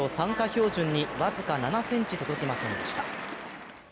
標準に僅か７ｃｍ届きませんでした。